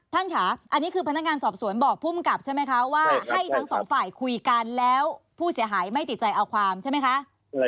ท่านค่ะอันนี้คือพนักงานสอบสวนบอกภูมิกับใช่ไหมคะว่าให้ทั้งสองฝ่ายคุยกันแล้วผู้เสียหายไม่ติดใจเอาความใช่ไหมคะ